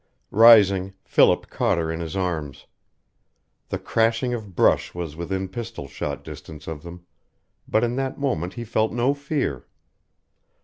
Rising, Philip caught her in his arms. The crashing of brush was within pistol shot distance of them, but in that moment he felt no fear.